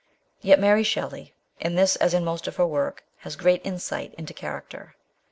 Yet Mary Shelley, in this as in most of her work, has great insight into charac ter.